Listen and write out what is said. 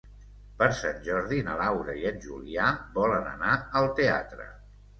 Per Sant Jordi na Laura i en Julià volen anar al teatre.